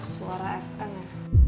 suara fn ya